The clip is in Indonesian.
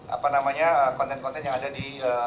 apa namanya konten konten yang ada di